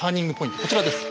こちらです。